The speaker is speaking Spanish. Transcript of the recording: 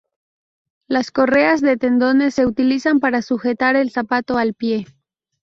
Las correas de tendones se utilizan para sujetar el zapato al pie.